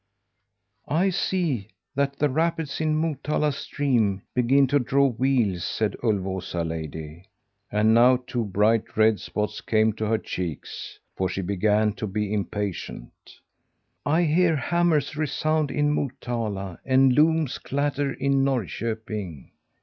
"'I see that the rapids in Motala stream begin to draw wheels,' said Ulvåsa lady and now two bright red spots came to her cheeks, for she began to be impatient 'I hear hammers resound in Motala, and looms clatter in Norrköping.'